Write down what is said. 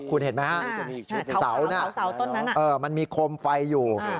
คุณเห็นไหมฮะเสาน่ะมันมีโคมไฟอยู่